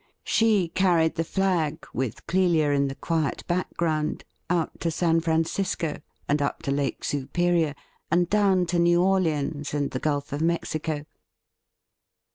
She carried the flag, with Clelia in the quiet back ground, out to San Francisco, and up to Lake Superior, and down to New Orleans and the Gulf of Mexico.